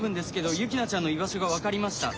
ユキナちゃんの居場所が分かりました。